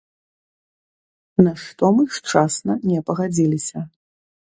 На што мы шчасна не пагадзіліся.